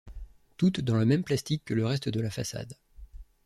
Toutes dans le même plastique que le reste de la façade.